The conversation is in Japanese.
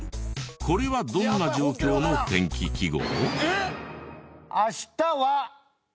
これはどんな状況の天気記号？